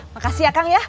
makasih ya kang ya